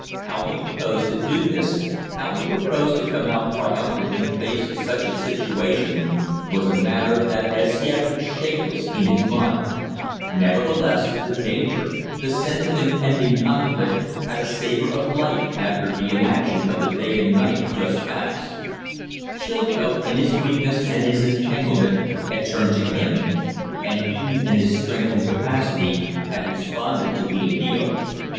How he proposed to do this, how he proposed to come out triumphant in face of such a situation, was a matter that as yet was shapeless in his mind; nevertheless, the danger the sense of impending conflict had a savor of life after the inaction of the day and night just passed. Chilcote in his weakness and his entanglement had turned to him; and he in his strength and capacity had responded to the appeal.